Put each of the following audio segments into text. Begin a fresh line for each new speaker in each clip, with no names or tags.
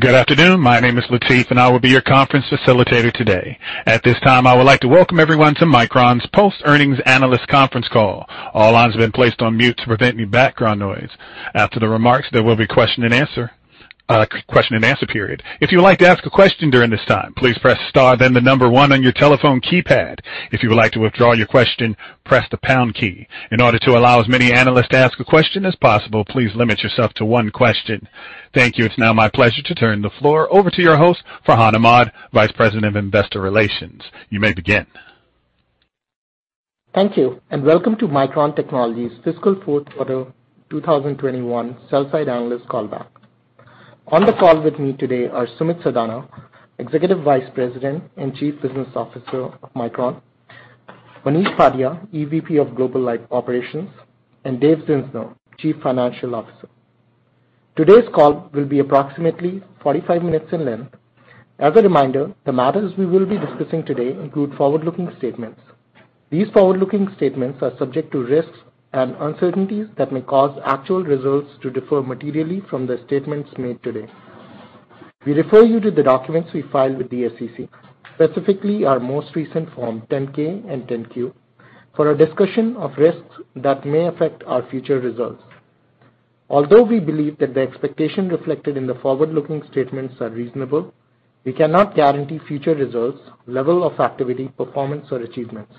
Good afternoon. My name is Latif, and I will be your conference facilitator today. At this time, I would like to welcome everyone to Micron's Post Earnings Analyst Conference Call. All lines have been placed on mute to prevent any background noise. After the remarks, there will be a question-and-answer period. If you would like to ask a question during this time, please press star then one on your telephone keypad. If you would like to withdraw your question, press the pound key. In order to allow as many analysts to ask a question as possible, please limit yourself to one question. Thank you. It's now my pleasure to turn the floor over to your host, Farhan Ahmad, Vice President of Investor Relations. You may begin.
Thank you, and welcome to Micron Technology's Fiscal Fourth Quarter 2021 Sell-Side Analysts Call back. On the call with me today are Sumit Sadana, Executive Vice President and Chief Business Officer of Micron, Manish Bhatia, EVP of Global Operations, and David Zinsner, Chief Financial Officer. Today's call will be approximately 45 minutes in length. As a reminder, the matters we will be discussing today include forward-looking statements. These forward-looking statements are subject to risks and uncertainties that may cause actual results to differ materially from the statements made today. We refer you to the documents we filed with the SEC, specifically our most recent Form 10-K and 10-Q, for a discussion of risks that may affect our future results. Although we believe that the expectation reflected in the forward-looking statements are reasonable, we cannot guarantee future results, level of activity, performance, or achievements.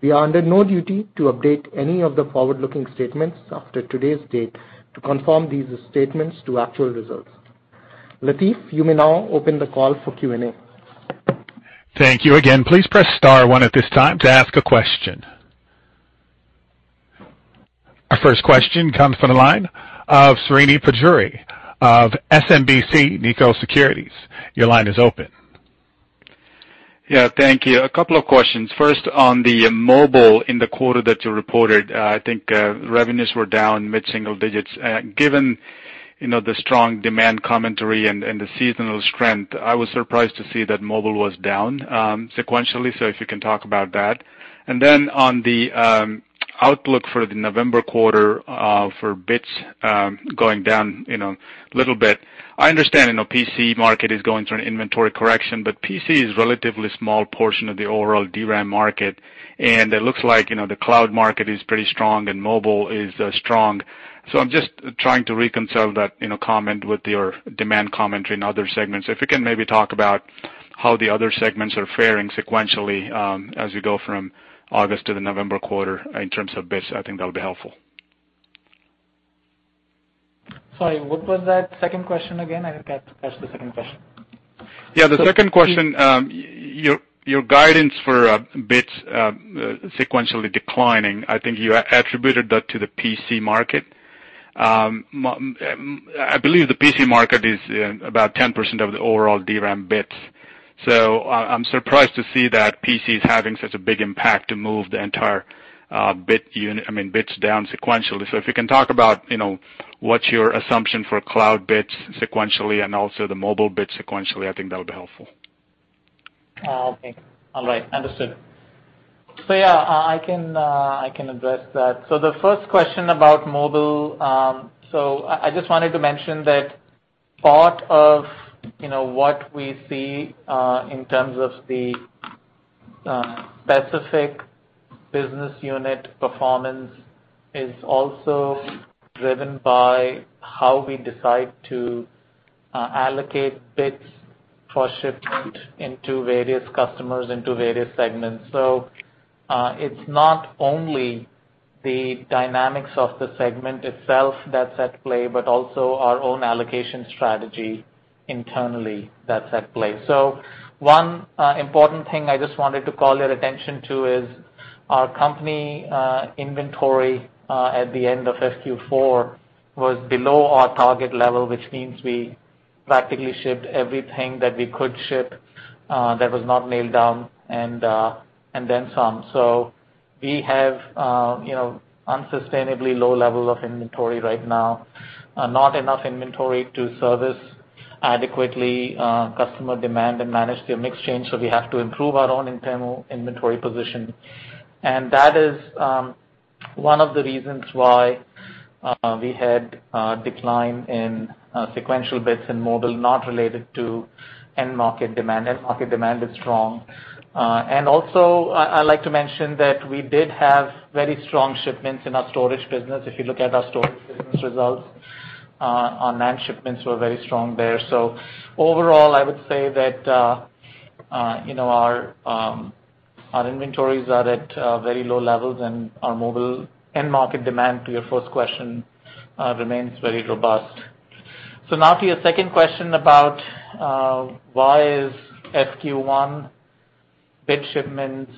We are under no duty to update any of the forward-looking statements after today's date to confirm these statements to actual results. Latif, you may now open the call for Q&A.
Thank you. Again, please press star one at this time to ask a question. Our first question comes from the line of Srini Pajjuri of SMBC Nikko Securities. Your line is open.
Yeah, thank you. A couple of questions. First, on the mobile in the quarter that you reported, I think revenues were down mid-single digits. Given the strong demand commentary and the seasonal strength, I was surprised to see that mobile was down sequentially. If you can talk about that. On the outlook for the November quarter, for bits going down a little bit. I understand PC market is going through an inventory correction, but PC is relatively small portion of the overall DRAM market, and it looks like the cloud market is pretty strong and mobile is strong. I'm just trying to reconcile that comment with your demand commentary in other segments. If you can maybe talk about how the other segments are faring sequentially as we go from August to the November quarter in terms of bits, I think that would be helpful.
Sorry, what was that second question again? I didn't catch the second question.
Yeah, the second question, your guidance for bits sequentially declining, I think you attributed that to the PC market. I believe the PC market is about 10% of the overall DRAM bits. I'm surprised to see that PC is having such a big impact to move the entire bits down sequentially. If you can talk about what's your assumption for cloud bits sequentially and also the mobile bits sequentially, I think that would be helpful.
Okay. All right. Understood. Yeah, I can address that. The first question about mobile. I just wanted to mention that part of what we see in terms of the specific business unit performance is also driven by how we decide to allocate bits for shipment into various customers, into various segments. It's not only the dynamics of the segment itself that's at play, but also our own allocation strategy internally that's at play. One important thing I just wanted to call your attention to is our company inventory at the end of Q4 was below our target level, which means we practically shipped everything that we could ship that was not nailed down and then some. We have unsustainably low level of inventory right now, not enough inventory to service adequately customer demand and manage their mix change, so we have to improve our own internal inventory position. That is one of the reasons why we had a decline in sequential bits in mobile, not related to end market demand. End market demand is strong. Also, I'd like to mention that we did have very strong shipments in our storage business. If you look at our storage business results, our NAND shipments were very strong there. Overall, I would say that our inventories are at very low levels and our mobile end market demand, to your first question, remains very robust. Now to your second question about why is Q1 bit shipments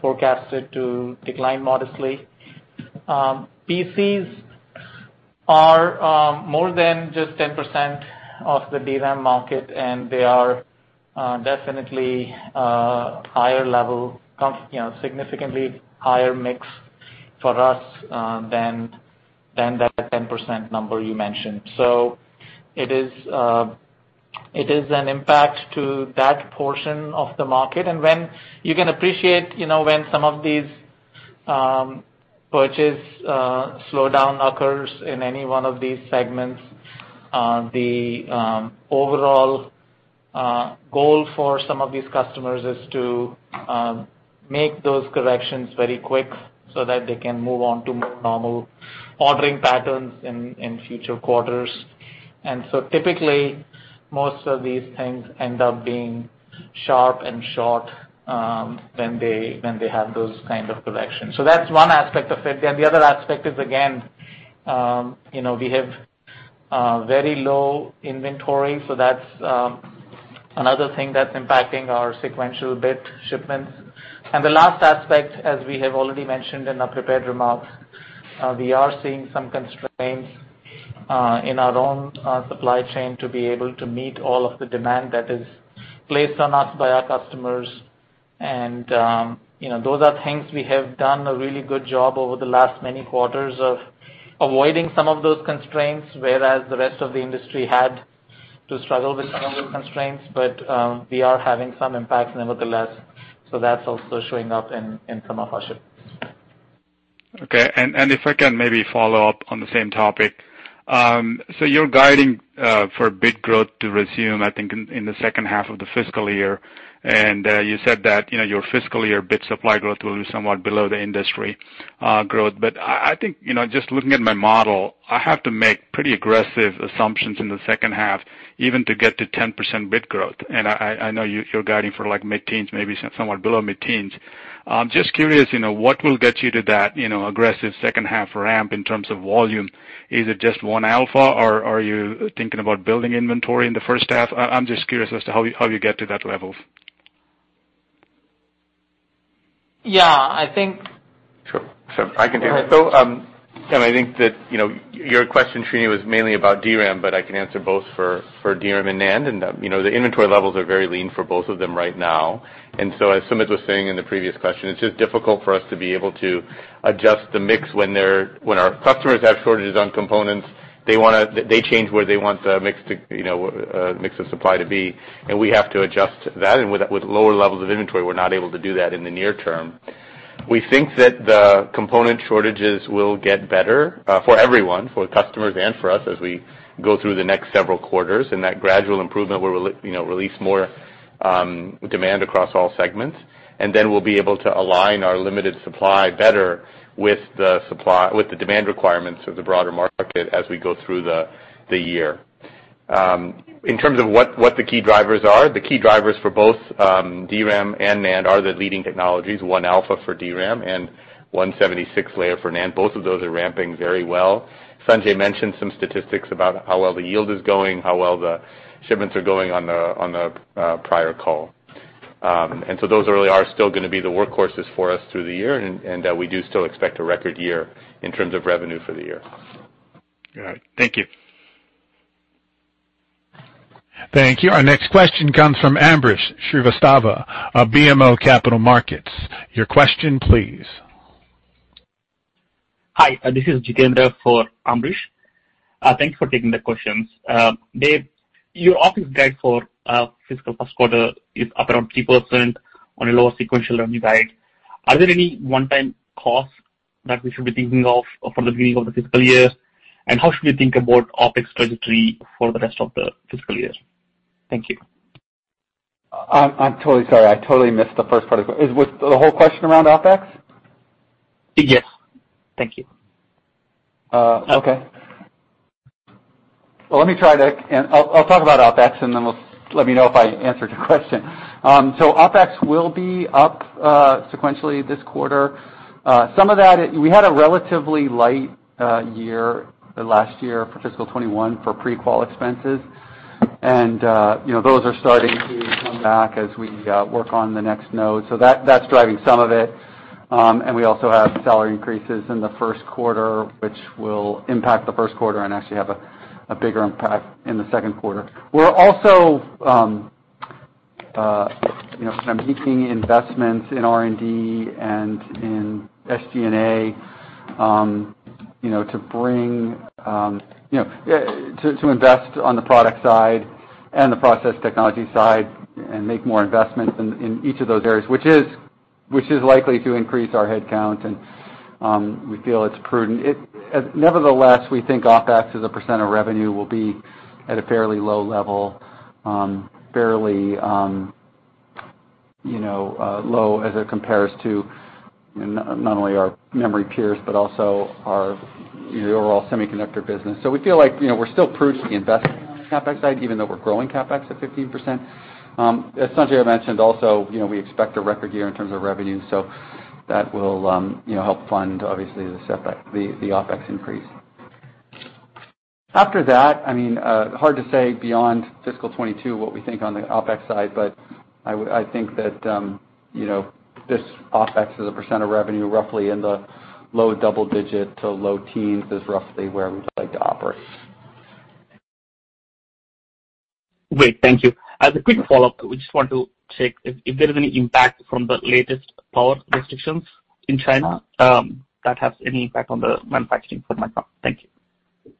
forecasted to decline modestly. PCs are more than just 10% of the DRAM market. They are definitely higher level, significantly higher mix for us than that 10% number you mentioned. It is an impact to that portion of the market. You can appreciate when some of these purchase slowdown occurs in any one of these segments. The overall goal for some of these customers is to make those corrections very quick so that they can move on to more normal ordering patterns in future quarters. Typically, most of these things end up being sharp and short when they have those kind of corrections. That's one aspect of it. The other aspect is, again, we have very low inventory. That's another thing that's impacting our sequential bit shipments. The last aspect, as we have already mentioned in our prepared remarks, we are seeing some constraints in our own supply chain to be able to meet all of the demand that is placed on us by our customers. Those are things we have done a really good job over the last many quarters of avoiding some of those constraints, whereas the rest of the industry had to struggle with some of the constraints. We are having some impact nevertheless, that's also showing up in some of our shipments.
Okay. If I can maybe follow up on the same topic. You're guiding for bit growth to resume, I think, in the second half of the fiscal year. You said that your fiscal year bit supply growth will be somewhat below the industry growth. I think, just looking at my model, I have to make pretty aggressive assumptions in the second half, even to get to 10% bit growth. I know you're guiding for mid-teens, maybe somewhat below mid-teens. I'm just curious, what will get you to that aggressive second half ramp in terms of volume? Is it just 1α, or are you thinking about building inventory in the first half? I'm just curious as to how you get to that level.
Sure. I can take it.
Go ahead.
I think that your question, Srini, was mainly about DRAM, but I can answer both for DRAM and NAND. The inventory levels are very lean for both of them right now. As Sumit was saying in the previous question, it's just difficult for us to be able to adjust the mix when our customers have shortages on components, they change where they want the mix of supply to be, and we have to adjust to that. With lower levels of inventory, we're not able to do that in the near term. We think that the component shortages will get better for everyone, for customers and for us, as we go through the next several quarters. That gradual improvement will release more demand across all segments, and then we'll be able to align our limited supply better with the demand requirements of the broader market as we go through the year. In terms of what the key drivers are, the key drivers for both DRAM and NAND are the leading technologies, 1α for DRAM and 176-layer for NAND. Both of those are ramping very well. Sanjay mentioned some statistics about how well the yield is going, how well the shipments are going on the prior call. Those really are still going to be the workhorses for us through the year, and that we do still expect a record year in terms of revenue for the year.
All right. Thank you.
Thank you. Our next question comes from Ambrish Srivastava of BMO Capital Markets. Your question please.
Hi. This is Jitendra for Ambrish. Thank you for taking the questions. Dave, your OpEx guide for fiscal first quarter is up around 3% on a lower sequential revenue guide. Are there any one-time costs that we should be thinking of from the beginning of the fiscal year? How should we think about OpEx trajectory for the rest of the fiscal year? Thank you.
I'm totally sorry. I totally missed the first part. Was the whole question around OpEx?
Yes. Thank you.
Well, let me try that. I'll talk about OpEx. Then let me know if I answered your question. OpEx will be up sequentially this quarter. We had a relatively light year last year for fiscal 2021 for pre-qual expenses. Those are starting to come back as we work on the next node. That's driving some of it. We also have salary increases in the first quarter, which will impact the first quarter and actually have a bigger impact in the second quarter. We're also making investments in R&D and in SG&A to invest on the product side and the process technology side and make more investments in each of those areas, which is likely to increase our headcount, and we feel it's prudent. Nevertheless, we think OpEx as a percentage of revenue will be at a fairly low level, fairly low as it compares to not only our memory peers, but also our overall semiconductor business. We feel like we're still prudent to be investing on the CapEx side, even though we're growing CapEx at 15%. As Sanjay mentioned, also, we expect a record year in terms of revenue, so that will help fund, obviously, the OpEx increase. After that, hard to say beyond fiscal 2022 what we think on the OpEx side, but I think that this OpEx as a percentage of revenue, roughly in the low double digit to low teens is roughly where we'd like to operate.
Great. Thank you. As a quick follow-up, we just want to check if there is any impact from the latest power restrictions in China that has any impact on the manufacturing for Micron. Thank you.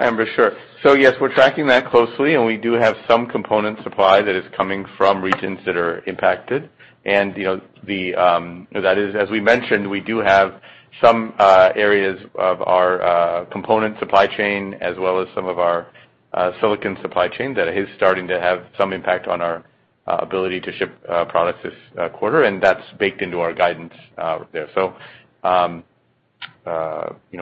Ambrish, sure. Yes, we're tracking that closely, and we do have some component supply that is coming from regions that are impacted. As we mentioned, we do have some areas of our component supply chain as well as some of our silicon supply chain that is starting to have some impact on our ability to ship products this quarter, and that's baked into our guidance there.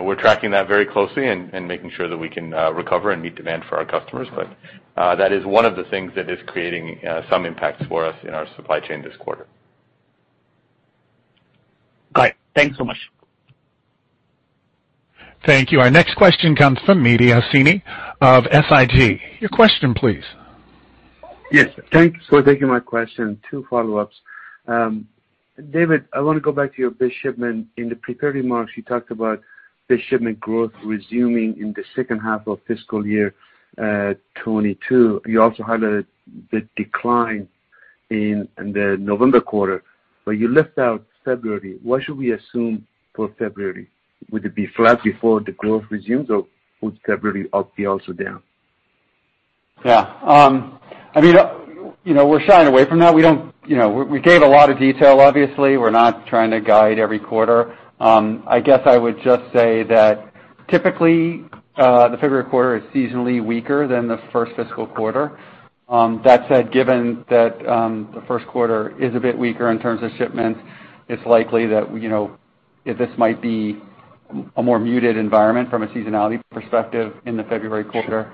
We're tracking that very closely and making sure that we can recover and meet demand for our customers. That is one of the things that is creating some impacts for us in our supply chain this quarter.
Got it. Thanks so much.
Thank you. Our next question comes from Mehdi Hosseini of SIG. Your question, please.
Yes. Thank you for taking my question. Two follow-ups. David, I want to go back to your bit shipment. In the prepared remarks, you talked about bit shipment growth resuming in the second half of fiscal year 2022. You also highlighted the decline in the November quarter, but you left out February. What should we assume for February? Would it be flat before the growth resumes, or would February be also down?
We're shying away from that. We gave a lot of detail, obviously. We're not trying to guide every quarter. I guess I would just say that typically, the February quarter is seasonally weaker than the first fiscal quarter. That said, given that the first quarter is a bit weaker in terms of shipments, it's likely that this might be a more muted environment from a seasonality perspective in the February quarter.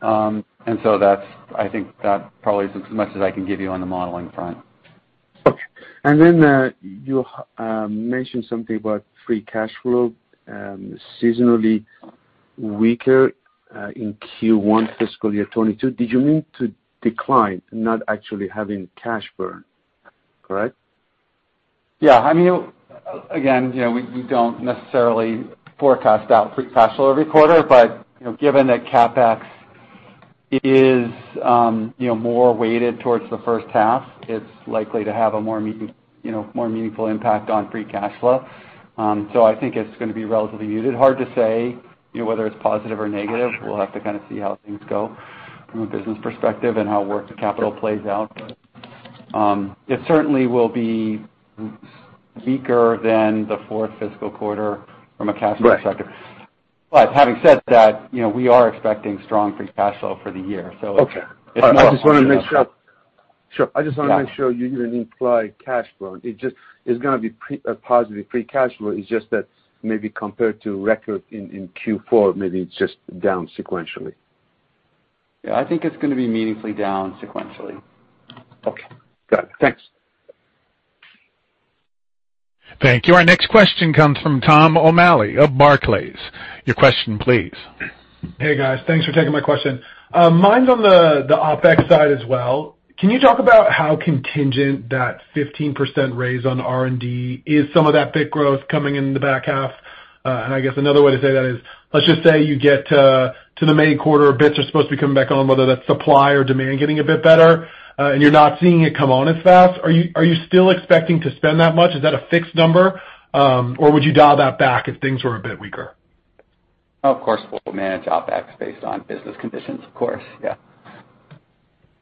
Sure.
I think that probably is as much as I can give you on the modeling front.
You mentioned something about free cash flow, seasonally weaker in Q1 fiscal year 2022. Did you mean to decline, not actually having cash burn, correct?
Yeah. Again, we don't necessarily forecast out free cash flow every quarter, but given that CapEx is more weighted towards the first half, it's likely to have a more meaningful impact on free cash flow. I think it's going to be relatively muted. Hard to say whether it's positive or negative. We'll have to kind of see how things go from a business perspective and how working capital plays out. It certainly will be weaker than the fourth fiscal quarter from a cash flow perspective.
Right.
Having said that, we are expecting strong free cash flow for the year.
Okay. I just want to make sure. I just want to make sure you didn't imply cash flow. It's going to be a positive free cash flow. It's just that maybe compared to record in Q4, maybe it's just down sequentially.
Yeah, I think it's going to be meaningfully down sequentially.
Okay. Got it. Thanks.
Thank you. Our next question comes from Tom O'Malley of Barclays. Your question, please.
Hey, guys. Thanks for taking my question. Mine's on the OpEx side as well. Can you talk about how contingent that 15% raise on R&D is? Some of that bit growth coming in the back half. I guess another way to say that is, let's just say you get to the May quarter, bits are supposed to be coming back on, whether that's supply or demand getting a bit better, and you're not seeing it come on as fast. Are you still expecting to spend that much? Is that a fixed number? Would you dial that back if things were a bit weaker?
Of course, we'll manage OpEx based on business conditions, of course. Yeah.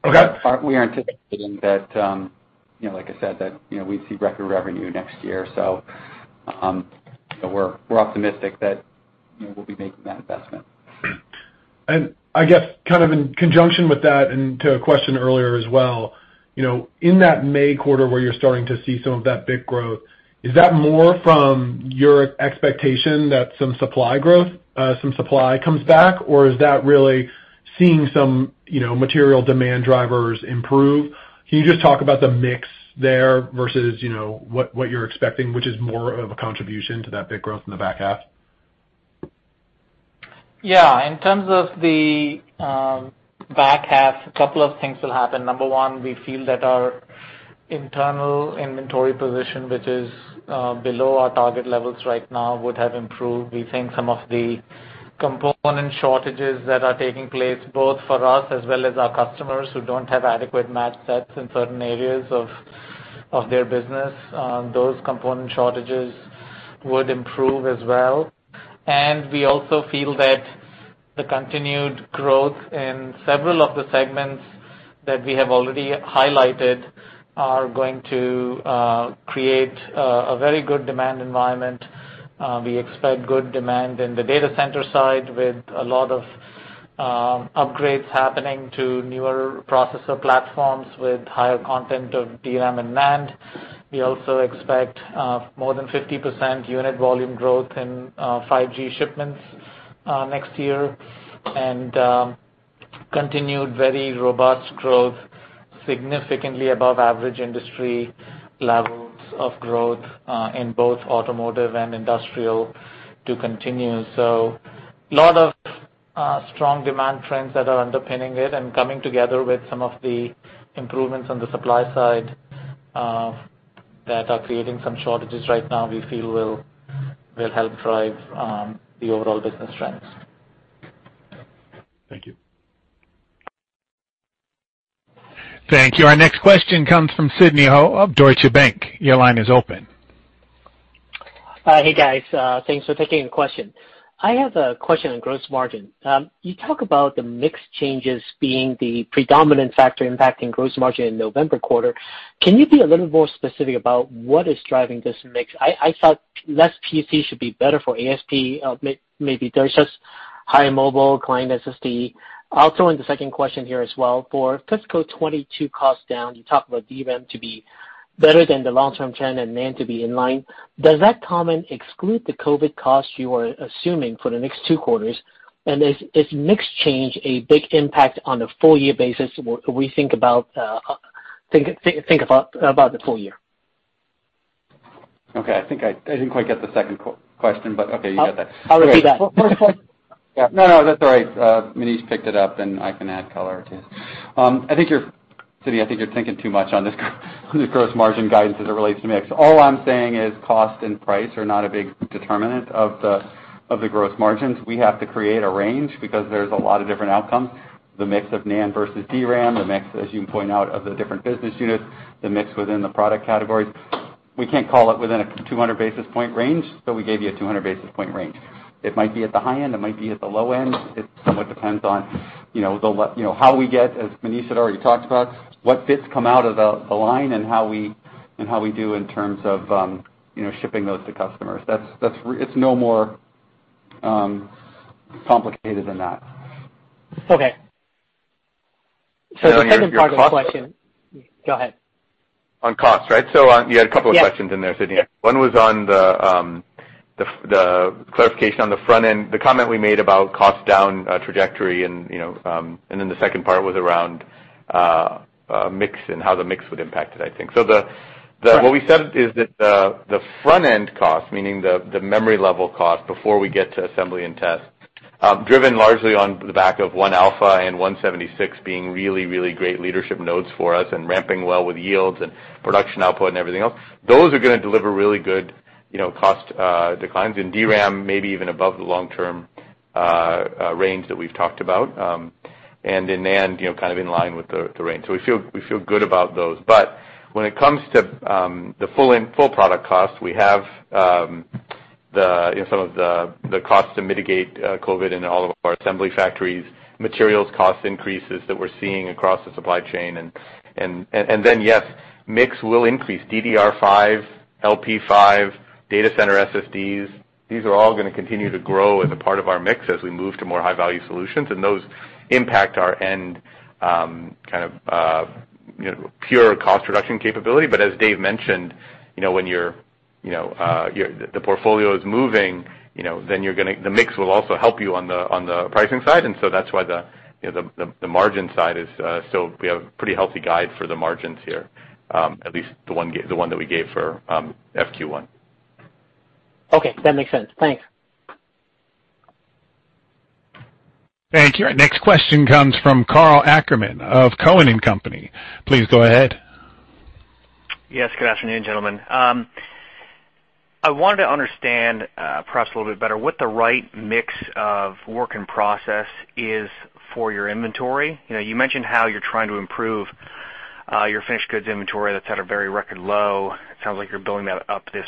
Okay.
We are anticipating that, like I said, that we'd see record revenue next year. We're optimistic that we'll be making that investment.
I guess kind of in conjunction with that, and to a question earlier as well, in that May quarter where you are starting to see some of that bit growth, is that more from your expectation that some supply growth, some supply comes back, or is that really seeing some material demand drivers improve? Can you just talk about the mix there versus what you are expecting, which is more of a contribution to that bit growth in the back half?
Yeah. In terms of the back half, a couple of things will happen. Number one, we feel that our internal inventory position, which is below our target levels right now, would have improved. We think some of the component shortages that are taking place, both for us as well as our customers who don't have adequate matched sets in certain areas of their business, those component shortages would improve as well. We also feel that the continued growth in several of the segments that we have already highlighted are going to create a very good demand environment. We expect good demand in the data center side with a lot of upgrades happening to newer processor platforms with higher content of DRAM and NAND. We also expect more than 50% unit volume growth in 5G shipments next year and continued very robust growth, significantly above average industry levels of growth in both automotive and industrial to continue. A lot of strong demand trends that are underpinning it and coming together with some of the improvements on the supply side that are creating some shortages right now, we feel will help drive the overall business trends.
Thank you.
Thank you. Our next question comes from Sidney Ho of Deutsche Bank. Your line is open.
Hey, guys. Thanks for taking the question. I have a question on gross margin. You talk about the mix changes being the predominant factor impacting gross margin in November quarter. Can you be a little more specific about what is driving this mix? I thought less PC should be better for ASP, maybe there is just higher mobile client SSD. I will throw in the second question here as well. For fiscal 2022 costs down, you talk about DRAM to be better than the long-term trend and NAND to be in line. Does that comment exclude the COVID cost you are assuming for the next two quarters? Is mix change a big impact on a full year basis when we think about the full year?
Okay. I think I didn't quite get the second question, but okay, you got that.
I'll repeat that.
No, that's all right. Manish picked it up, and I can add color to it. Sidney, I think you're thinking too much on this gross margin guidance as it relates to mix. All I'm saying is cost and price are not a big determinant of the gross margins. We have to create a range because there's a lot of different outcomes. The mix of NAND versus DRAM, the mix, as you point out, of the different business units, the mix within the product categories. We can't call it within a 200 basis point range, so we gave you a 200 basis point range. It might be at the high end. It might be at the low end. It somewhat depends on how we get, as Manish had already talked about, what fits come out of the line and how we do in terms of shipping those to customers. It's no more complicated than that.
Okay. The second part of the question.
On costs, right?
Yes.
You had a couple of questions in there, Sidney. One was on the clarification on the front end, the comment we made about cost down trajectory, and then the second part was around mix and how the mix would impact it, I think.
Correct.
What we said is that the front-end cost, meaning the memory level cost before we get to assembly and test, driven largely on the back of 1α and 176-layer being really great leadership nodes for us and ramping well with yields and production output and everything else. Those are going to deliver really good cost declines in DRAM, maybe even above the long-term range that we've talked about. In NAND, kind of in line with the range. We feel good about those. When it comes to the full product cost, we have some of the cost to mitigate COVID in all of our assembly factories, materials cost increases that we're seeing across the supply chain. Yes, mix will increase. DDR5, LP5, data center SSDs, these are all going to continue to grow as a part of our mix as we move to more high-value solutions, and those impact our end kind of pure cost reduction capability. As Dave mentioned, when the portfolio is moving, then the mix will also help you on the pricing side. That's why the margin side is. So we have a pretty healthy guide for the margins here, at least the one that we gave for FQ1.
Okay. That makes sense. Thanks.
Thank you. Our next question comes from Karl Ackerman of Cowen and Company. Please go ahead.
Yes, good afternoon, gentlemen. I wanted to understand perhaps a little bit better what the right mix of work in process is for your inventory. You mentioned how you're trying to improve your finished goods inventory that's at a very record low. It sounds like you're building that up this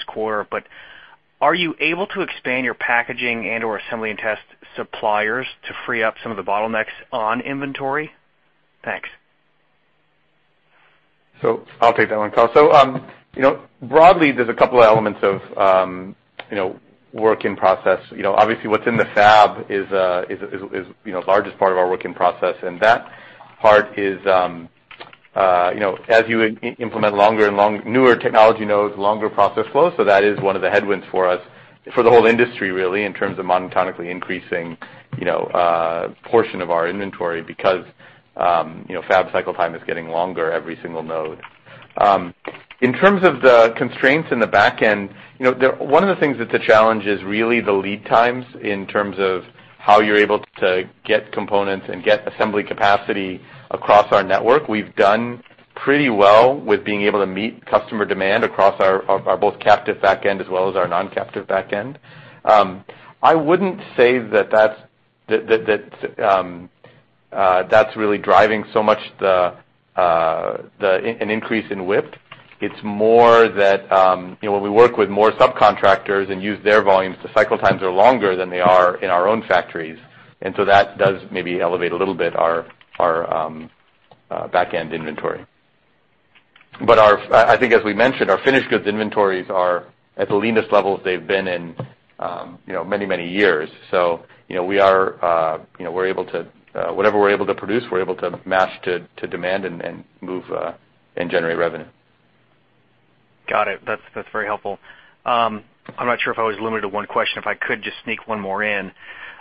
quarter, are you able to expand your packaging and/or assembly and test suppliers to free up some of the bottlenecks on inventory? Thanks.
I'll take that one, Karl. Broadly, there's a couple of elements of work in process. Obviously, what's in the fab is the largest part of our work in process, and that part is as you implement newer technology nodes, longer process flows, so that is one of the headwinds for us, for the whole industry, really, in terms of monotonically increasing portion of our inventory because fab cycle time is getting longer every single node. In terms of the constraints in the back end, one of the things that's a challenge is really the lead times in terms of how you're able to get components and get assembly capacity across our network. We've done pretty well with being able to meet customer demand across our both captive back end as well as our non-captive back end. I wouldn't say that's really driving so much an increase in WIP. It's more that when we work with more subcontractors and use their volumes, the cycle times are longer than they are in our own factories, that does maybe elevate a little bit our back-end inventory. I think as we mentioned, our finished goods inventories are at the leanest levels they've been in many years. Whatever we're able to produce, we're able to match to demand and move and generate revenue.
Got it. That is very helpful. I am not sure if I was limited to one question. If I could just sneak one more in.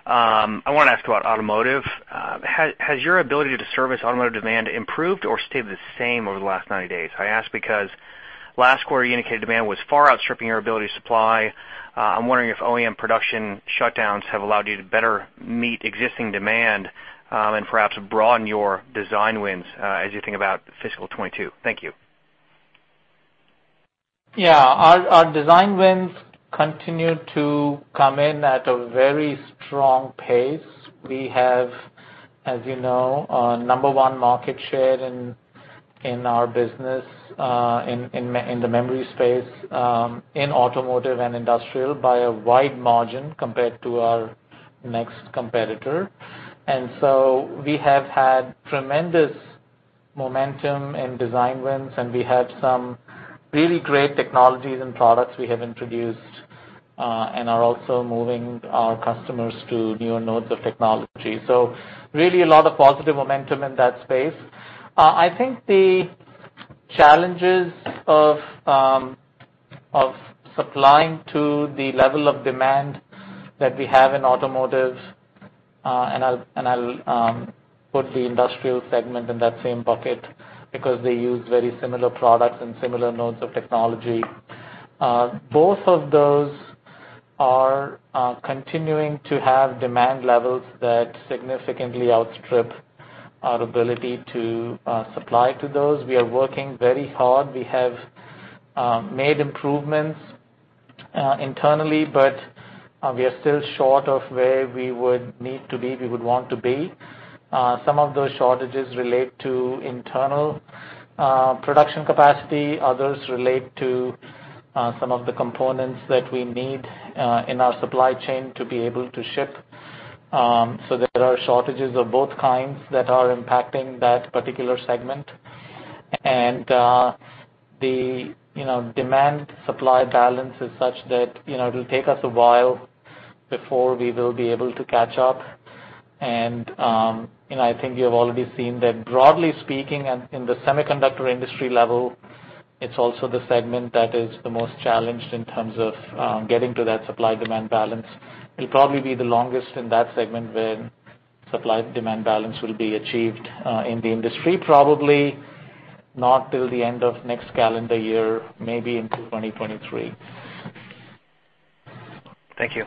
I want to ask about automotive. Has your ability to service automotive demand improved or stayed the same over the last 90 days? I ask because last quarter, you indicated demand was far outstripping your ability to supply. I am wondering if OEM production shutdowns have allowed you to better meet existing demand and perhaps broaden your design wins as you think about fiscal 2022. Thank you.
Yeah. Our design wins continue to come in at a very strong pace. We have, as you know, a number one market share in our business, in the memory space, in automotive and industrial by a wide margin compared to our next competitor. We have had tremendous momentum in design wins, and we have some really great technologies and products we have introduced, and are also moving our customers to newer nodes of technology. Really a lot of positive momentum in that space. I think the challenges of supplying to the level of demand that we have in automotive, and I'll put the industrial segment in that same bucket, because they use very similar products and similar nodes of technology. Both of those are continuing to have demand levels that significantly outstrip our ability to supply to those. We are working very hard. We have made improvements internally, but we are still short of where we would need to be, we would want to be. Some of those shortages relate to internal production capacity. Others relate to some of the components that we need in our supply chain to be able to ship. There are shortages of both kinds that are impacting that particular segment. The demand supply balance is such that it'll take us a while before we will be able to catch up. I think you have already seen that broadly speaking, in the semiconductor industry level, it's also the segment that is the most challenged in terms of getting to that supply-demand balance. It'll probably be the longest in that segment where supply-demand balance will be achieved, in the industry, probably not till the end of next calendar year, maybe into 2023.
Thank you.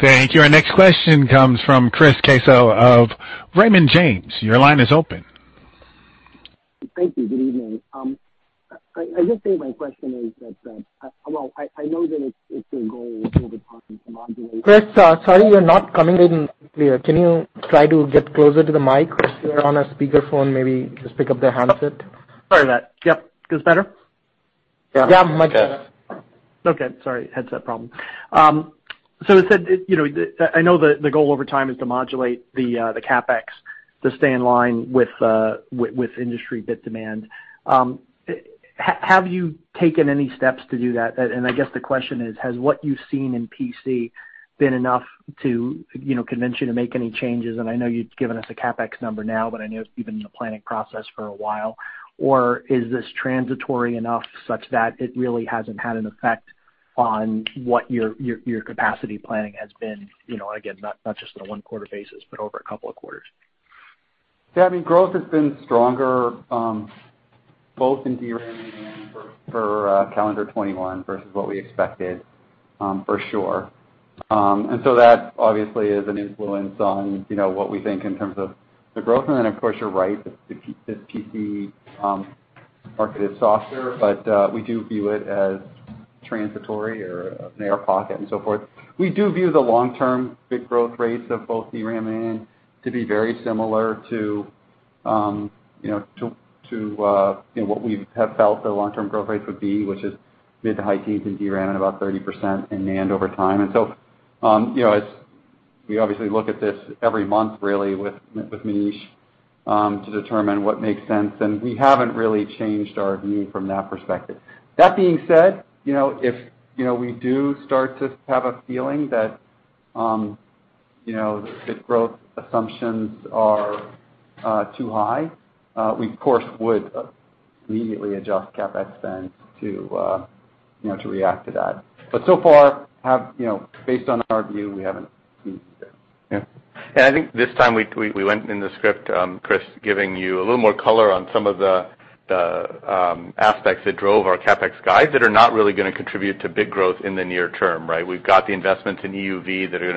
Thank you. Our next question comes from Chris Caso of Raymond James. Your line is open.
Thank you. Good evening. I guess maybe my question is that, well, I know that it's your goal over time to modulate-
Chris, sorry, you're not coming in clear. Can you try to get closer to the mic? If you're on a speakerphone, maybe just pick up the handset.
Sorry about that. Yep. This better?
Yeah, much better.
Okay. Sorry. Headset problem. As I said, I know the goal over time is to modulate the CapEx to stay in line with industry bit demand. Have you taken any steps to do that? I guess the question is, has what you've seen in PC been enough to convince you to make any changes? I know you've given us a CapEx number now, but I know it's been in the planning process for a while. Is this transitory enough such that it really hasn't had an effect on what your capacity planning has been, again, not just on a one quarter basis, but over a couple of quarters?
Yeah. Growth has been stronger, both in DRAM and NAND for calendar 2021 versus what we expected, for sure. That obviously is an influence on what we think in terms of the growth. Of course, you're right, the PC market is softer, we do view it as transitory or an air pocket and so forth. We do view the long-term bit growth rates of both DRAM and NAND to be very similar to what we have felt the long-term growth rates would be, which is mid to high teens in DRAM and about 30% in NAND over time. We obviously look at this every month, really, with Manish to determine what makes sense, and we haven't really changed our view from that perspective. That being said, if we do start to have a feeling that bit growth assumptions are too high, we of course would immediately adjust CapEx spend to react to that. So far, based on our view, we haven't seen it yet.
I think this time we went in the script, Chris, giving you a little more color on some of the aspects that drove our CapEx guide that are not really going to contribute to bit growth in the near term, right? We've got the investments in EUV that are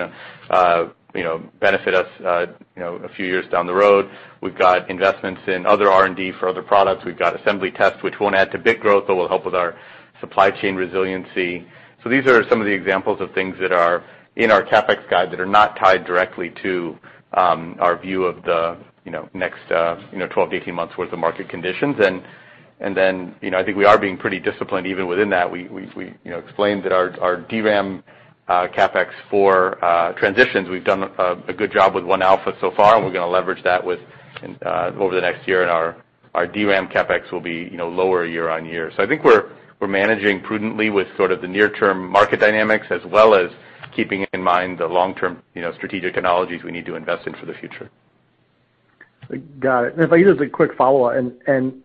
going to benefit us a few years down the road. We've got investments in other R&D for other products. We've got assembly tests, which won't add to bit growth, but will help with our supply chain resiliency. These are some of the examples of things that are in our CapEx guide that are not tied directly to our view of the next 12-18 months worth of market conditions. I think we are being pretty disciplined even within that. We explained that our DRAM CapEx for transitions, we've done a good job with 1α so far, and we're going to leverage that over the next year, and our DRAM CapEx will be lower year-on-year. I think we're managing prudently with sort of the near-term market dynamics, as well as keeping in mind the long-term strategic analogies we need to invest in for the future.
Got it. If I could, just a quick follow-up,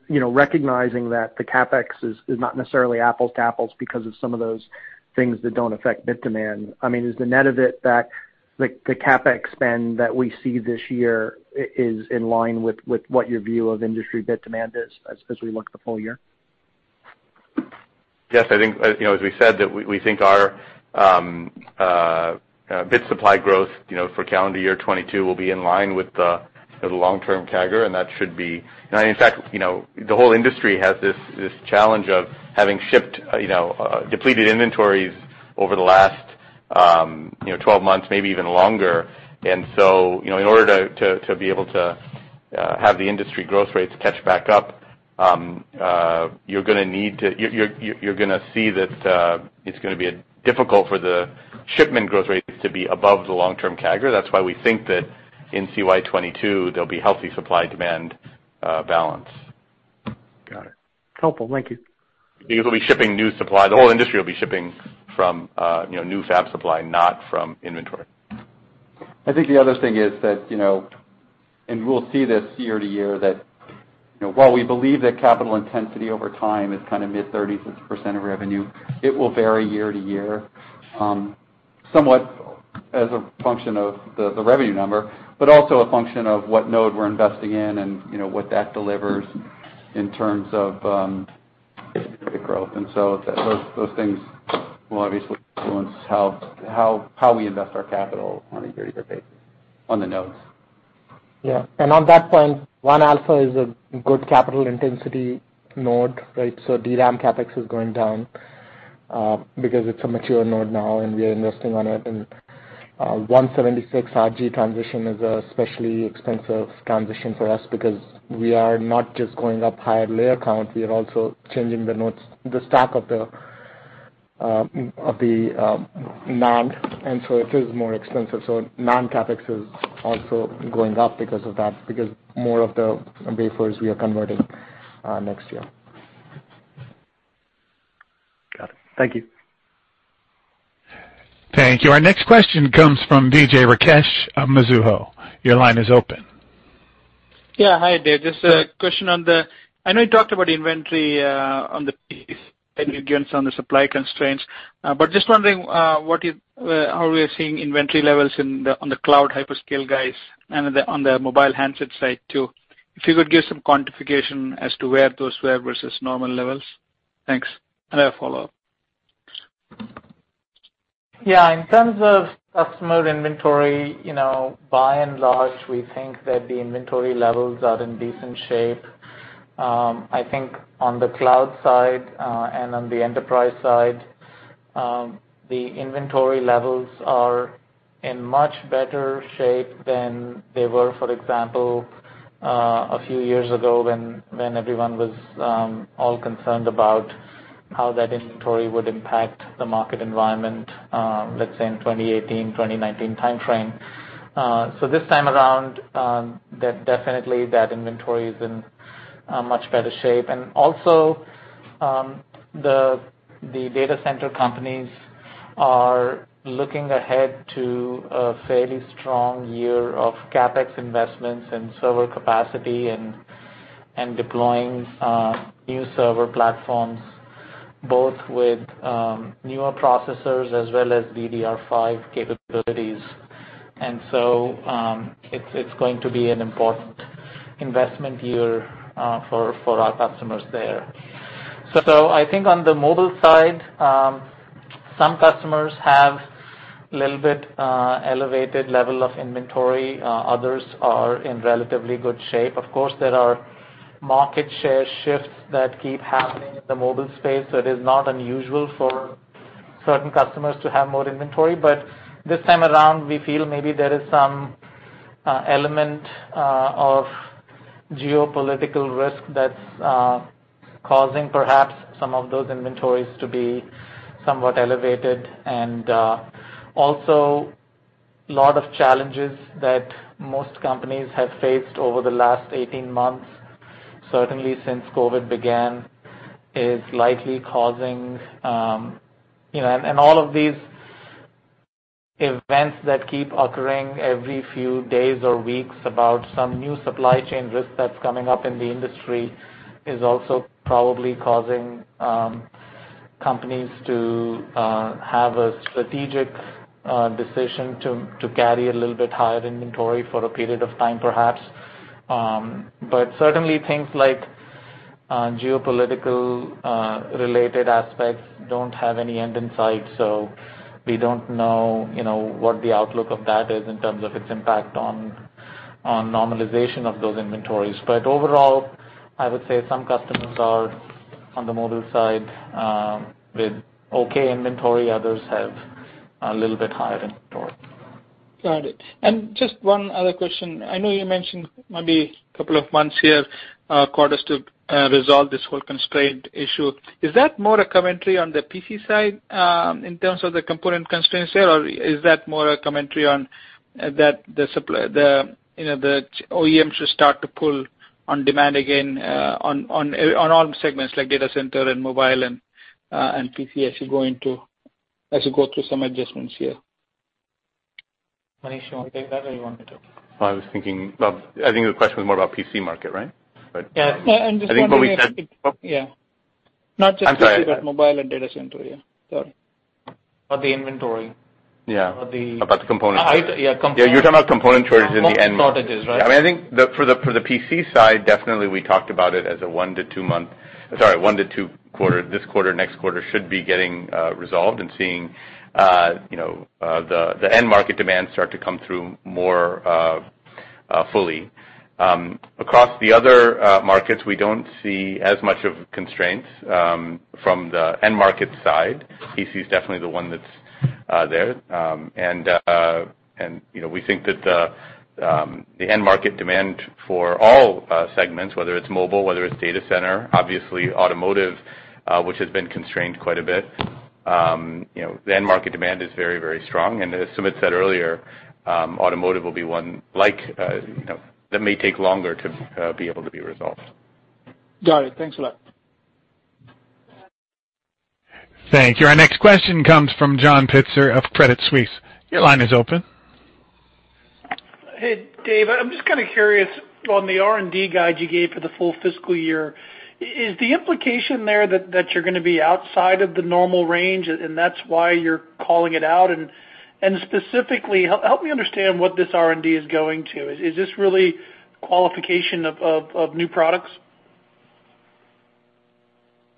recognizing that the CapEx is not necessarily apples to apples because of some of those things that don't affect bit demand. Is the net of it that the CapEx spend that we see this year is in line with what your view of industry bit demand is as we look at the full year?
Yes, I think, as we said, that we think our bit supply growth for calendar year 2022 will be in line with the long-term CAGR. In fact, the whole industry has this challenge of having shipped depleted inventories over the last 12 months, maybe even longer. In order to be able to have the industry growth rates catch back up, you're going to see that it's going to be difficult for the shipment growth rates to be above the long-term CAGR. That's why we think that in CY 2022, there'll be healthy supply-demand balance.
Got it. Helpful. Thank you.
We'll be shipping new supply. The whole industry will be shipping from new fab supply, not from inventory.
I think the other thing is that, we'll see this year-to-year, that while we believe that capital intensity over time is kind of mid-30s as a % of revenue, it will vary year-to-year, somewhat as a function of the revenue number, but also a function of what node we're investing in, and what that delivers in terms of specific growth. Those things will obviously influence how we invest our capital on a year-to-year basis on the nodes.
Yeah. On that point, 1α is a good capital intensity node, right? DRAM CapEx is going down because it's a mature node now, and we are investing on it. 176-layer RG transition is an especially expensive transition for us because we are not just going up higher layer count, we are also changing the nodes, the stack of the NAND. It is more expensive. NAND CapEx is also going up because of that, because more of the wafers we are converting next year. Got it. Thank you.
Thank you. Our next question comes from Vijay Rakesh of Mizuho. Your line is open.
Yeah. Hi, Dave. Just a question on the, I know you talked about inventory on the piece, and you gave us on the supply constraints. Just wondering how we are seeing inventory levels on the cloud hyperscale guys and on the mobile handset side, too. If you could give some quantification as to where those were versus normal levels. Thanks, and I have a follow-up.
Yeah. In terms of customer inventory, by and large, we think that the inventory levels are in decent shape. I think on the cloud side and on the enterprise side, the inventory levels are in much better shape than they were, for example, a few years ago when everyone was all concerned about how that inventory would impact the market environment, let's say, in 2018, 2019 timeframe. This time around, definitely that inventory is in much better shape. Also, the data center companies are looking ahead to a fairly strong year of CapEx investments in server capacity and deploying new server platforms, both with newer processors as well as DDR5 capabilities. It's going to be an important investment year for our customers there. I think on the mobile side, some customers have a little bit elevated level of inventory. Others are in relatively good shape. Of course, there are market share shifts that keep happening in the mobile space, so it is not unusual for certain customers to have more inventory. This time around, we feel maybe there is some element of geopolitical risk that's causing perhaps some of those inventories to be somewhat elevated. Also, a lot of challenges that most companies have faced over the last 18 months, certainly since COVID began, all of these events that keep occurring every few days or weeks about some new supply chain risk that's coming up in the industry is also probably causing companies to have a strategic decision to carry a little bit higher inventory for a period of time, perhaps. Certainly, things like geopolitical-related aspects don't have any end in sight, so we don't know what the outlook of that is in terms of its impact on normalization of those inventories. Overall, I would say some customers are on the mobile side with okay inventory. Others have a little bit higher inventory.
Got it. Just one other question. I know you mentioned maybe a couple of months here, quarters to resolve this whole constraint issue. Is that more a commentary on the PC side in terms of the component constraints there, or is that more a commentary on the OEM should start to pull on demand again on all segments like data center and mobile and PC as you go through some adjustments here?
Manish, you want to take that or you want me to?
I was thinking, I think the question was more about PC market, right?
And just wondering if-
I think what we said-
Yeah.
I'm sorry.
PC, but mobile and data center. Yeah. Sorry.
About the inventory?
Yeah.
About the-
About the component.
Yeah, component.
Yeah, you're talking about component shortages in the end-
Component shortages, right?
I think for the PC side, definitely we talked about it as a one to two quarter. This quarter, next quarter should be getting resolved and seeing the end market demand start to come through more fully. Across the other markets, we don't see as much of constraints from the end market side. PC is definitely the one that's there. We think that the end market demand for all segments, whether it's mobile, whether it's data center, obviously automotive, which has been constrained quite a bit, the end market demand is very, very strong, and as Sumit said earlier, automotive will be one that may take longer to be able to be resolved.
Got it. Thanks a lot.
Thank you. Our next question comes from John Pitzer of Credit Suisse. Your line is open.
Hey, Dave. I'm just kind of curious on the R&D guide you gave for the full fiscal year. Is the implication there that you're going to be outside of the normal range, and that's why you're calling it out? Specifically, help me understand what this R&D is going to. Is this really qualification of new products?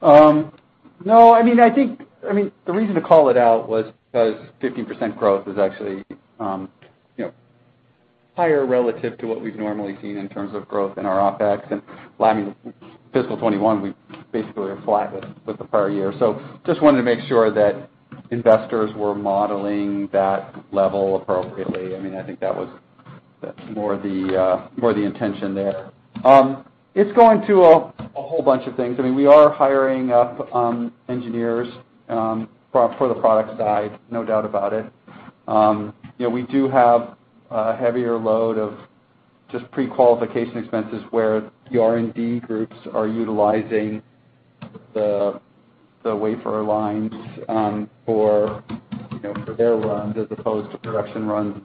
No. I think the reason to call it out was because 15% growth is actually higher relative to what we've normally seen in terms of growth in our OpEx. Fiscal 2021, we basically are flat with the prior year. Just wanted to make sure that investors were modeling that level appropriately. I think that was more the intention there. It's going to a whole bunch of things. We are hiring up engineers for the product side, no doubt about it. We do have a heavier load of just pre-qualification expenses where the R&D groups are utilizing the wafer lines for their runs as opposed to production runs.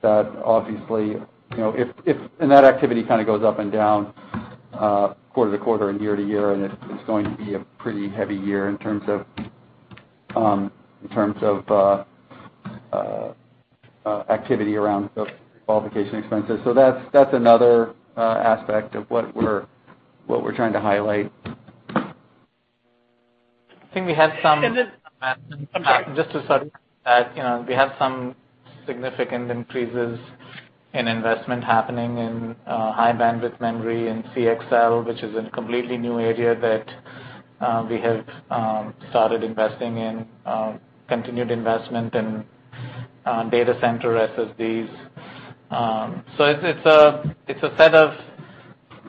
That obviously, and that activity kind of goes up and down quarter-to-quarter and year-to-year, and it's going to be a pretty heavy year in terms of activity around those qualification expenses. That's another aspect of what we're trying to highlight.
I think we have.
I'm sorry.
Just to supplement that, we have some significant increases in investment happening in High-Bandwidth Memory and CXL, which is a completely new area that we have started investing in, continued investment in data center SSDs. It's a set of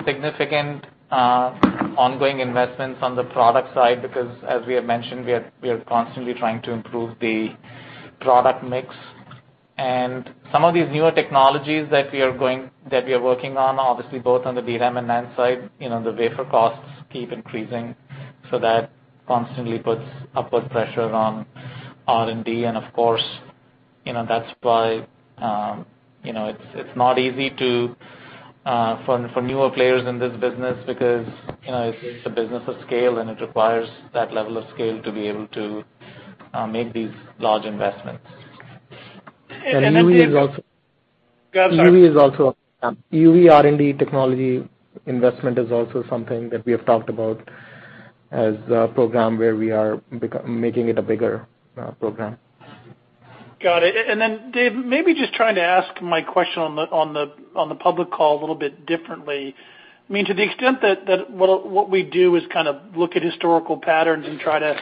significant ongoing investments on the product side because, as we have mentioned, we are constantly trying to improve the product mix. Some of these newer technologies that we are working on, obviously both on the DRAM and NAND side, the wafer costs keep increasing. That constantly puts upward pressure on R&D, and of course, that's why it's not easy for newer players in this business because it's a business of scale, and it requires that level of scale to be able to make these large investments.
And then the other-
And EUV is also-
Go ahead, sorry.
EUV R&D technology investment is also something that we have talked about as a program where we are making it a bigger program.
Got it. Dave, maybe just trying to ask my question on the public call a little bit differently. To the extent that what we do is kind of look at historical patterns and try to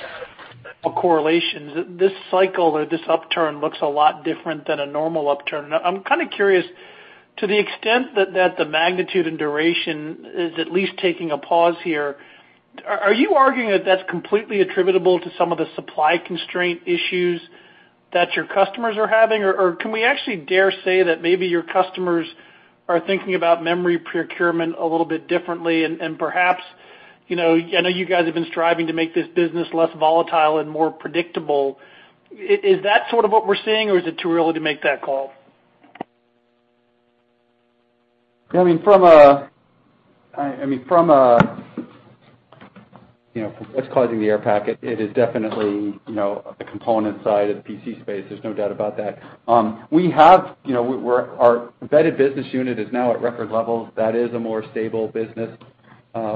correlations, this cycle or this upturn looks a lot different than a normal upturn. I'm kind of curious to the extent that the magnitude and duration is at least taking a pause here, are you arguing that's completely attributable to some of the supply constraint issues that your customers are having? Can we actually dare say that maybe your customers are thinking about memory procurement a little bit differently and perhaps, I know you guys have been striving to make this business less volatile and more predictable. Is that sort of what we're seeing, or is it too early to make that call?
From what's causing the air pocket, it is definitely the component side of the PC space. There's no doubt about that. Our embedded business unit is now at record levels. That is a more stable business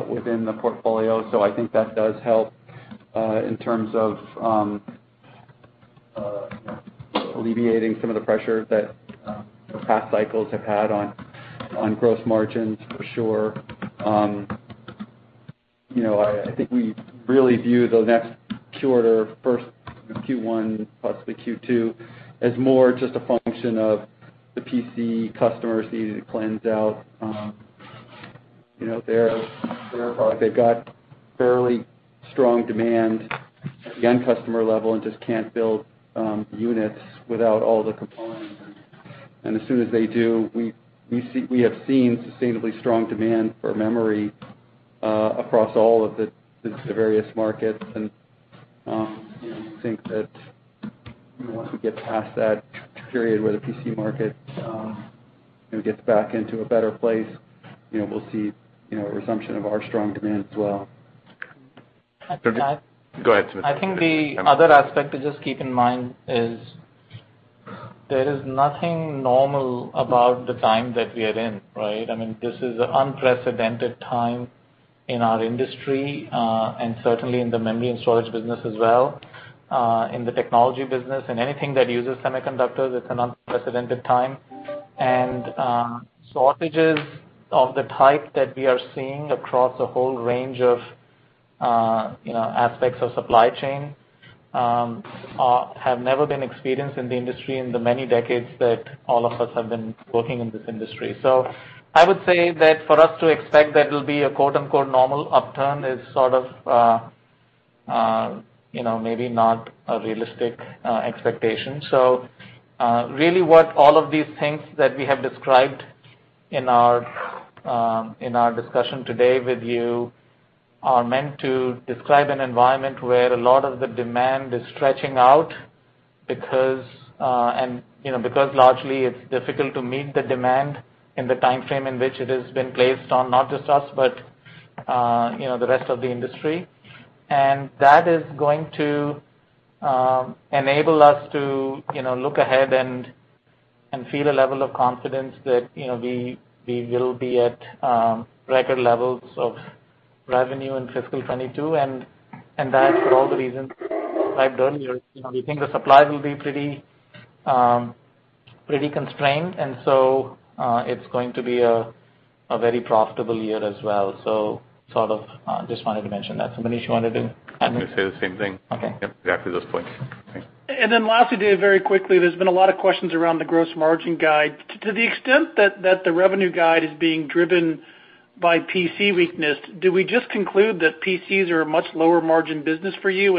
within the portfolio, so I think that does help in terms of alleviating some of the pressure that past cycles have had on gross margins, for sure. I think we really view the next quarter, first Q1, possibly Q2, as more just a function of the PC customers needing to cleanse out their product. They've got fairly strong demand at the end customer level and just can't build units without all the components. As soon as they do, we have seen sustainably strong demand for memory across all of the various markets. We think that once we get past that period where the PC market gets back into a better place, we'll see a resumption of our strong demand as well.
Go ahead, Sumit.
I think the other aspect to just keep in mind is there is nothing normal about the time that we are in, right? This is an unprecedented time in our industry, and certainly in the memory and storage business as well. In the technology business and anything that uses semiconductors, it's an unprecedented time. Shortages of the type that we are seeing across a whole range of aspects of supply chain have never been experienced in the industry in the many decades that all of us have been working in this industry. I would say that for us to expect that it'll be a quote-unquote, "normal" upturn is sort of maybe not a realistic expectation. Really what all of these things that we have described in our discussion today with you are meant to describe an environment where a lot of the demand is stretching out because largely it's difficult to meet the demand in the timeframe in which it has been placed on, not just us, but the rest of the industry. That is going to enable us to look ahead and feel a level of confidence that we will be at record levels of revenue in fiscal 2022, and that for all the reasons described earlier. We think the supply will be pretty constrained. It's going to be a very profitable year as well. Sort of just wanted to mention that. Manish, you wanted to add?
I was going to say the same thing.
Okay.
Yep, exactly those points.
Lastly, David, very quickly, there's been a lot of questions around the gross margin guide. To the extent that the revenue guide is being driven by PC weakness, do we just conclude that PCs are a much lower margin business for you?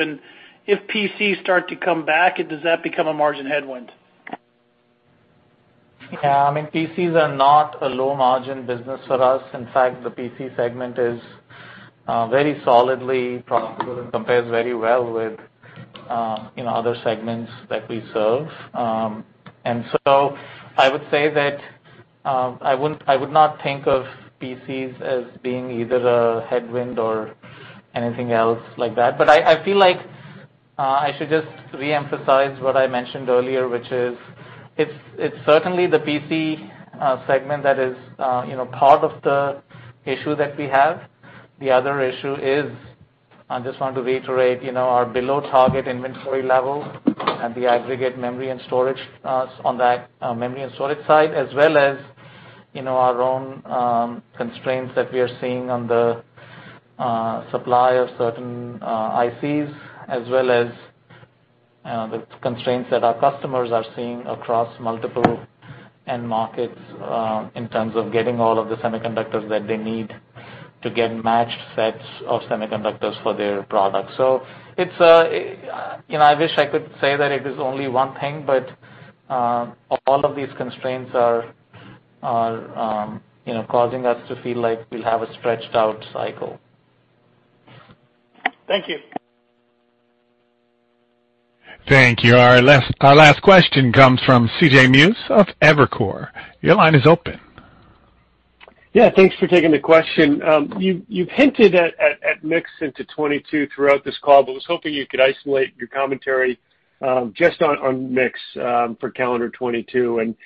If PCs start to come back, does that become a margin headwind?
PCs are not a low margin business for us. In fact, the PC segment is very solidly profitable and compares very well with other segments that we serve. I would say that I would not think of PCs as being either a headwind or anything else like that. I feel like I should just reemphasize what I mentioned earlier, which is, it's certainly the PC segment that is part of the issue that we have. The other issue is, I just want to reiterate, our below target inventory level and the aggregate memory and storage on that memory and storage side, as well as our own constraints that we are seeing on the supply of certain ICs, as well as the constraints that our customers are seeing across multiple end markets in terms of getting all of the semiconductors that they need to get matched sets of semiconductors for their products. I wish I could say that it is only one thing, but all of these constraints are causing us to feel like we'll have a stretched out cycle.
Thank you.
Thank you. Our last question comes from C.J. Muse of Evercore. Your line is open.
Yeah, thanks for taking the question. You've hinted at mix into 2022 throughout this call, but was hoping you could isolate your commentary just on mix for calendar 2022.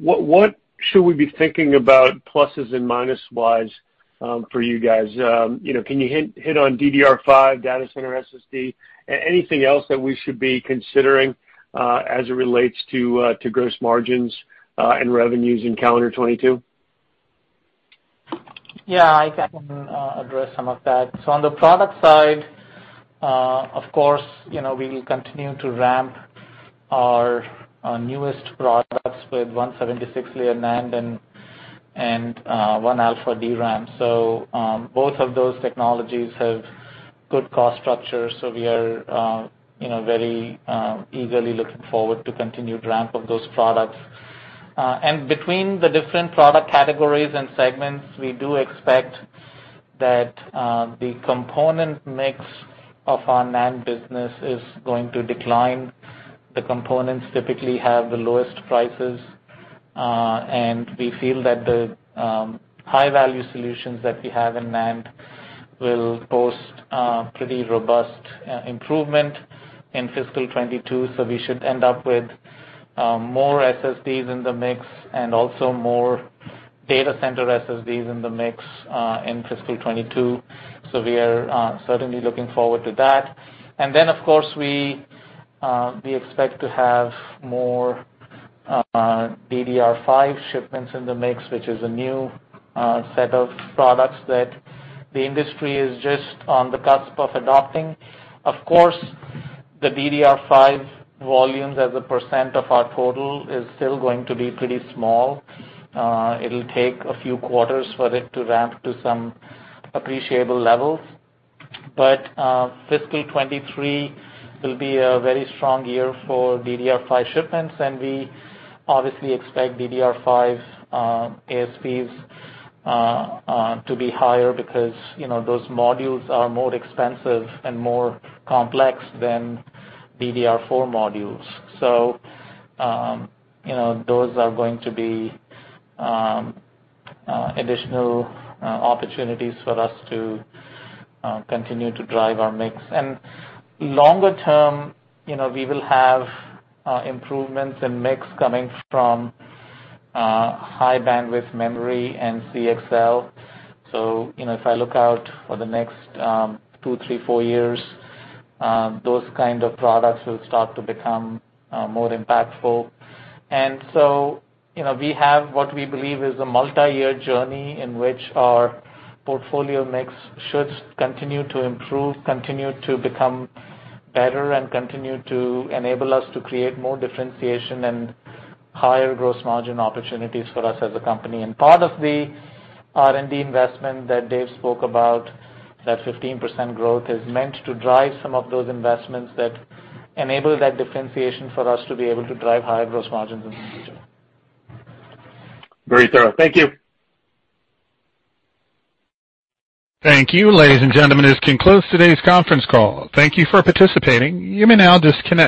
What should we be thinking about pluses and minus-wise for you guys? Can you hit on DDR5, data center SSD, anything else that we should be considering as it relates to gross margins and revenues in calendar 2022?
Yeah, I can address some of that. On the product side, of course, we will continue to ramp our newest products with 176-layer NAND and 1α DRAM. Both of those technologies have good cost structure, so we are very eagerly looking forward to continued ramp of those products. Between the different product categories and segments, we do expect that the component mix of our NAND business is going to decline. The components typically have the lowest prices, and we feel that the high-value solutions that we have in NAND will post a pretty robust improvement in fiscal 2022. We should end up with more SSDs in the mix and also more data center SSDs in the mix in fiscal 2022. We are certainly looking forward to that. Of course, we expect to have more DDR5 shipments in the mix, which is a new set of products that the industry is just on the cusp of adopting. Of course, the DDR5 volumes as a percentage of our total is still going to be pretty small. It'll take a few quarters for it to ramp to some appreciable levels. Fiscal 2023 will be a very strong year for DDR5 shipments, and we obviously expect DDR5 ASPs to be higher because those modules are more expensive and more complex than DDR4 modules. Those are going to be additional opportunities for us to continue to drive our mix. Longer-term, we will have improvements in mix coming from High-Bandwidth Memory and CXL. If I look out for the next two, three, four years, those kind of products will start to become more impactful. We have what we believe is a multi-year journey in which our portfolio mix should continue to improve, continue to become better, and continue to enable us to create more differentiation and higher gross margin opportunities for us as a company. Part of the R&D investment that David spoke about, that 15% growth, is meant to drive some of those investments that enable that differentiation for us to be able to drive higher gross margins in the future.
Very thorough. Thank you.
Thank you. Ladies and gentlemen, this concludes today's conference call. Thank you for participating. You may now disconnect.